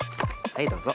はいどうぞ。